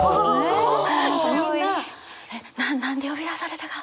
「な何で呼び出されたが？